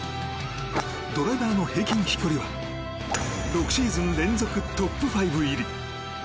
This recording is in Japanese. ドライバーの平均飛距離は６シーズン連続トップ５入り。